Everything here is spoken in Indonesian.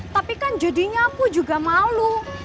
tapi kan jadinya aku juga malu